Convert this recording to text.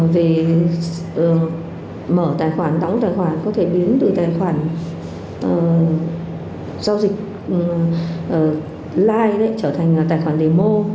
họ có thể mở tài khoản đóng tài khoản có thể biến từ tài khoản giao dịch live trở thành tài khoản demo